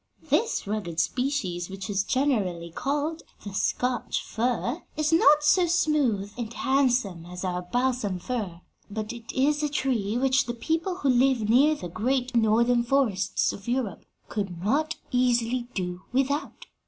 This rugged species which is generally called the Scotch fir is not so smooth and handsome as our balsam fir, but it is a tree which the people who live near the great Northern forests of Europe could not easily do without.